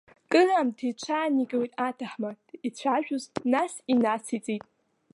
Кыраамҭа иҽааникылеит аҭаҳмада ицәажәоз, нас инациҵеит.